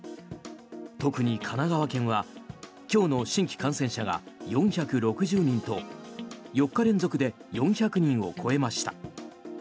特に神奈川県は今日の新規感染者が４６０人と４日連続で４００人を超えました。